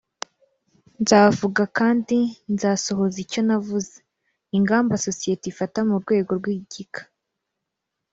nzavuga kandi nzasohoza icyo navuze ingamba sosiyete ifata mu rwego rw igika